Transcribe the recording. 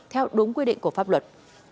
theo đúng quy định của pháp luật